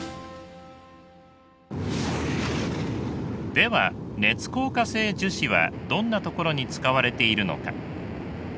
では熱硬化性樹脂はどんな所に使われているのか？